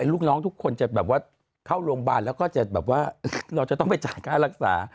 ลูกน้องทุกคนเข้าโรงบาลแล้วนอกว่าเราจะต้องไปจากฆ่ารักษา